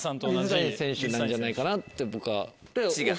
水谷選手なんじゃないかなって僕は。